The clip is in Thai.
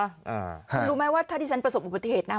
คุณรู้ไหมว่าถ้าที่ฉันประสบประเทศนะ